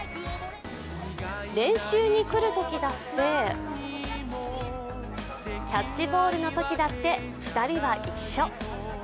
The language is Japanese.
練習に来るときだってキャッチボールのときだって２人は一緒。